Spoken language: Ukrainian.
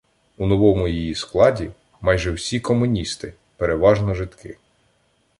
У новому ЇЇ складі — майже всі комуністи, переважно жидки.